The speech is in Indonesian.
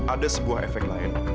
ada sebuah efek lain